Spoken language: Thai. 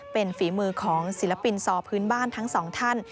เป็นฝีมือของศิลปินซอพื้นบ้านทั้งสองท่าน